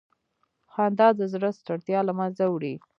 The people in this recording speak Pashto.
خندا د زړه ستړیا له منځه وړي.